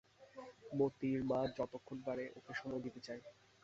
মোতির মা যতক্ষণ পারে ওকে সময় দিতে চায়।